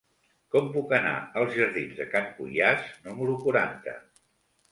Com puc anar als jardins de Can Cuiàs número quaranta?